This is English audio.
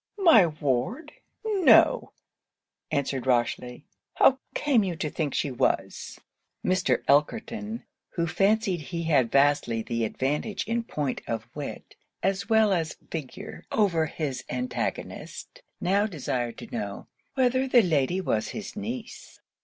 'My ward! no,' answered Rochely, 'how came you to think she was?' Mr. Elkerton, who fancied he had vastly the advantage in point of wit, as well as of figure, over his antagonist, now desired to know, 'whether the lady was his niece?